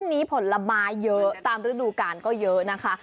วันนี้ผลไม้เยอะตามฤดูกาลก็เยอะนะคะ